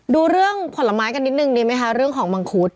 ดูเรื่องผลไม้กันนิดนึงดีไหมคะเรื่องของมังคุด